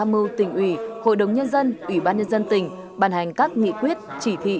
mưu tỉnh ủy hội đồng nhân dân ủy ban nhân dân tỉnh bàn hành các nghị quyết chỉ thị